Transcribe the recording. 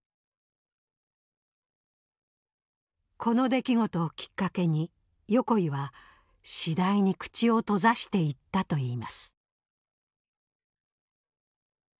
この出来事をきっかけに横井は次第に口を閉ざしていったといいます。